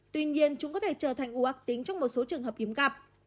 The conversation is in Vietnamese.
tuy nhiên chúng có thể trở thành u ác tính trong một số trường hợp hiếm gặp